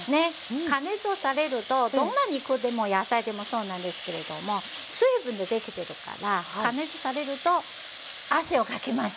加熱をされるとどんな肉でも野菜でもそうなんですけれども水分が出てくるから加熱されると汗をかきます。